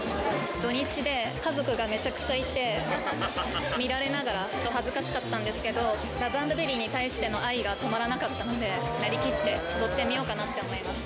土日で、家族がめちゃくちゃいて、見られながら、恥ずかしかったんですけど、ラブａｎｄベリーに対しての愛が止まらなかったので、なりきって踊ってみようかなって思いました。